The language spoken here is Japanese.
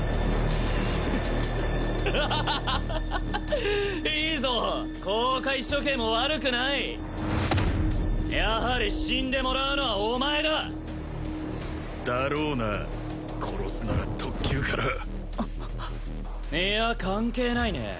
フッハハハハいいぞ公開処刑も悪くないやはり死んでもらうのはお前だだろうな殺すなら特級からいや関係ないね